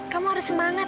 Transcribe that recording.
kamu harus semangat sat